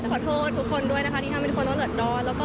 ขอโทษทุกคนด้วยนะคะที่ทำให้ทุกคนรอด